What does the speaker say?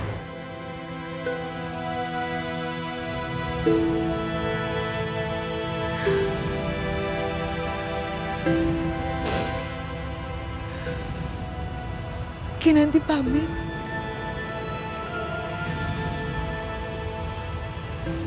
akang pengen tego